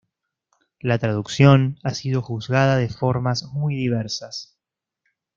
La traducción ha sido juzgada de formas muy diversas.